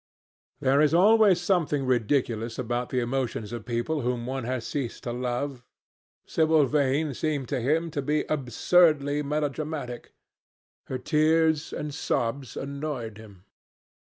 There is always something ridiculous about the emotions of people whom one has ceased to love. Sibyl Vane seemed to him to be absurdly melodramatic. Her tears and sobs annoyed him.